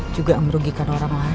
juga merugikan orang lain